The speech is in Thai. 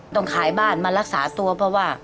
ต้องขายบ้านมารักษาตัวเพราะว่า